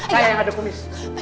saya yang ada kumis